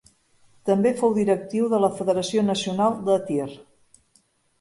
També fou directiu de la Federació Nacional de Tir.